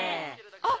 あっ！